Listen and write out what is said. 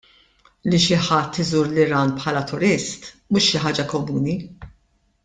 Li xi ħadd iżur l-Iran bħala turist mhux xi ħaġa komuni.